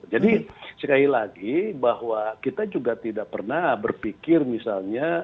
jadi sekali lagi bahwa kita juga tidak pernah berpikir misalnya